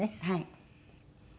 はい。